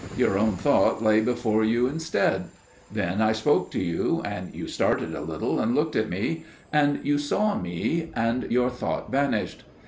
Your own thought lay before you instead. Then I spoke to you, and you started a little and looked at me; and you saw me, and your thought vanished.